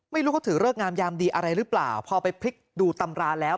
ไม่รู้เขาถือเลิกงามยามดีอะไรหรือเปล่าพอไปพลิกดูตำราแล้ว